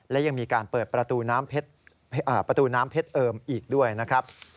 และยังมีการเปิดประตูน้ำประตูน้ำเพชรเอิมอีกด้วยนะครับ